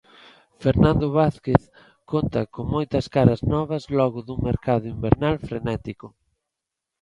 Fernando Vázquez conta con moitas caras novas logo dun mercado invernal frenético.